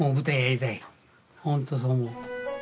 本当そう思う。